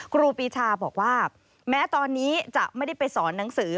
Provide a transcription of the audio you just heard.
ครูปีชาบอกว่าแม้ตอนนี้จะไม่ได้ไปสอนหนังสือ